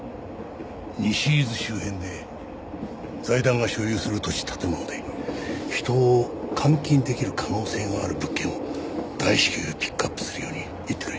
西伊豆周辺で財団が所有する土地建物で人を監禁出来る可能性のある物件を大至急ピックアップするように言ってくれ。